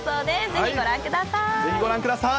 ぜひご覧ください。